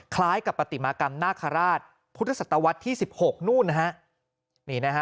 คล้ายกับปฏิมากรรมนาคาราชพุทธศตวรรษที่๑๖นู่นนะฮะนี่นะฮะ